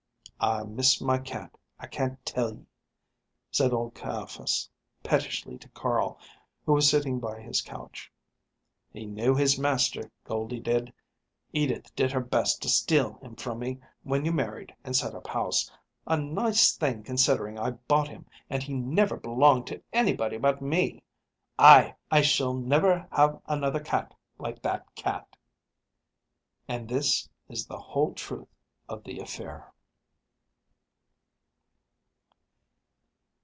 "I miss my cat, I can tell ye!" said old Caiaphas pettishly to Carl, who was sitting by his couch. "He knew his master, Goldie did! Edith did her best to steal him from me when you married and set up house. A nice thing considering I bought him and he never belonged to anybody but me! Ay! I shall never have another cat like that cat." And this is the whole truth of the affair.